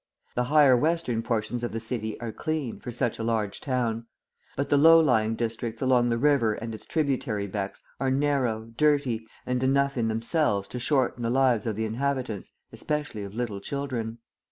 The higher western portions of the city are clean, for such a large town. But the low lying districts along the river and its tributary becks are narrow, dirty, and enough in themselves to shorten the lives of the inhabitants, especially of little children.